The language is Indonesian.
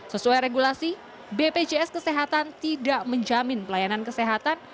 sesuai regulasi bpjs kesehatan tidak menjamin pelayanan kesehatan